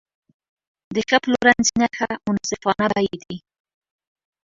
د ښه پلورنځي نښه منصفانه بیې دي.